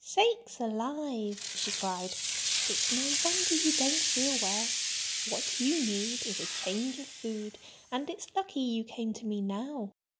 "Sakes alive!" she cried. "It's no wonder you don't feel well! What you need is a change of food. And it's lucky you came to me now.